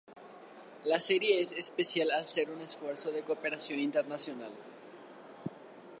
La serie es especial al ser un esfuerzo de cooperación internacional.